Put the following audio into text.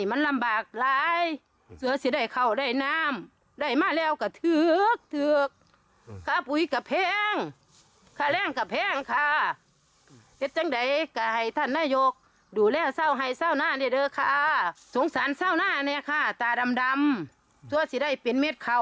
มันมีหนักตาดำจ้วก็จะได้เป็นเม็ดเข้า